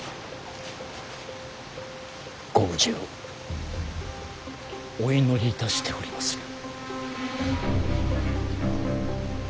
ご無事をお祈りいたしておりまする。